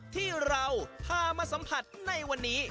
ที่เราพามาสัมผัสในวันนี้